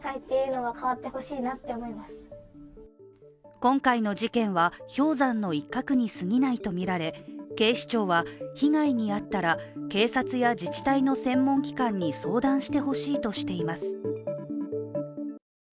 今回の事件は氷山の一角にすぎないとみられ警視庁は被害に遭ったら警察や自治体の専門機関に相談してほしいとしています。